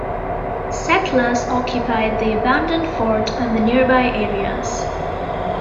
Settlers occupied the abandoned fort and nearby areas.